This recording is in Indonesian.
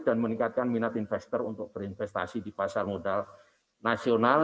dan meningkatkan minat investor untuk berinvestasi di pasar modal nasional